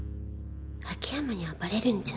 秋山にはバレるんじゃ？